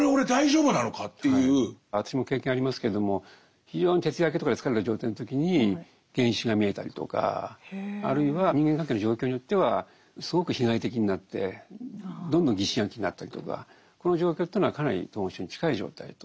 私も経験ありますけれども非常に徹夜明けとかで疲れた状態の時に幻視が見えたりとかあるいは人間関係の状況によってはすごく被害的になってどんどん疑心暗鬼になったりとかこの状況というのはかなり統合失調症に近い状態と。